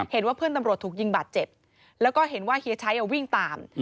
เห็นว่าเพื่อนตำรวจถูกยิงบาดเจ็บแล้วก็เห็นว่าเฮียชัยวิ่งตาม